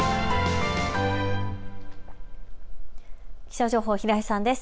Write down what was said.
気象情報、平井さんです。